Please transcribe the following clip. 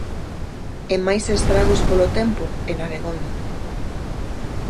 E máis estragos polo tempo en Abegondo.